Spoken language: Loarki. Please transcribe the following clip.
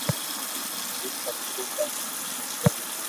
جيم ٿني سھي لاگي ھون ايم اي ڪرو